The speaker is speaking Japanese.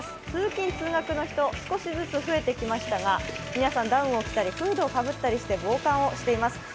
通勤通学の人、少しずつ増えてきましたが皆さんダウンを着たりフードをかぶったりして防寒をしています。